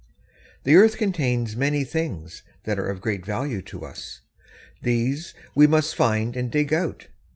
The earth contains many things that are of great value to us. These we must find and dig out.